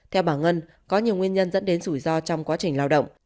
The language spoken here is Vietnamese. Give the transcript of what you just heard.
theo bà ngân có nhiều nguyên nhân dẫn đến rủi ro trong quá trình lao động